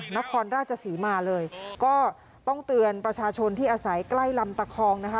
นครราชศรีมาเลยก็ต้องเตือนประชาชนที่อาศัยใกล้ลำตะคองนะคะ